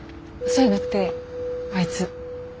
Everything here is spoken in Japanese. そうやなくてあいつ。